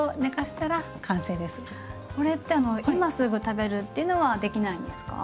これって今すぐ食べるっていうのはできないんですか？